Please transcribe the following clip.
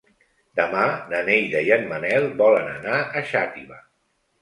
Demà na Neida i en Manel volen anar a Xàtiva.